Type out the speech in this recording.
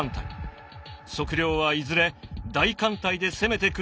測量はいずれ大艦隊で攻めてくるためだと力説。